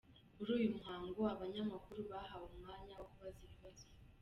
Muri uyu muhango, abanyamakuru bahawe umwanya wo kubaza ibibazo.